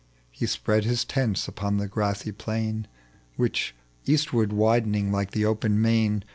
He spread his tents upon the grassy plain Which, eastward widening lilte the open main.